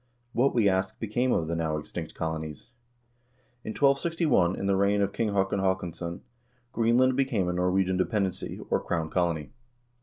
What, we ask, became of the now extinct colonics? In 1261, in the reign of King Haakon HaakonsBon, Greenland became a Norwegian dependency, or crown colony.